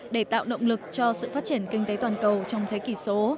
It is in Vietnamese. để tạo động lực cho sự phát triển kinh tế toàn cầu trong thế kỷ số